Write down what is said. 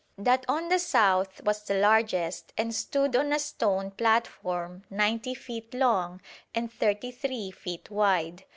That on the south was the largest, and stood on a stone platform 90 feet long and 33 feet wide.